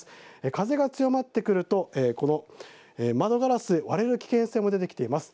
風が強まってくると窓ガラスが割れる危険性が出てきます。